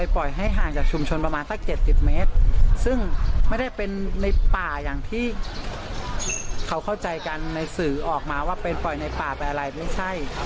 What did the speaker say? ปล่อยให้ห่างจากชุมชนประมาณสัก๗๐เมตรซึ่งไม่ได้เป็นในป่าอย่างที่เขาเข้าใจกันในสื่อออกมาว่าเป็นปล่อยในป่าไปอะไรไม่ใช่